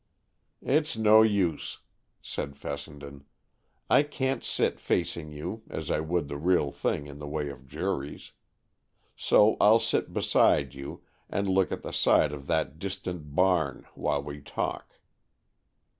"It's no use," said Fessenden; "I can't sit facing you, as I would the real thing in the way of juries. So I'll sit beside you, and look at the side of that distant barn, while we talk."